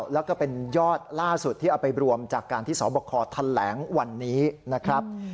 แล้วก็เป็นยอดล่าสุดที่เอาไปรวมจากการที่สบคแถลงวันนี้นะครับ